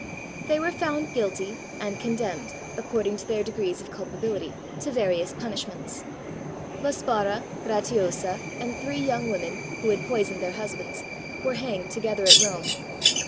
They were found guilty, and condemned, according to their degrees of culpability, to various punishments. La Spara, Gratiosa, and three young women, who had poisoned their husbands, were hanged together at Rome.